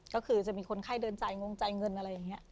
ก็คือจะมีคนไข้เดินจ่ายงงจ่ายเงินอะไรอย่างนี้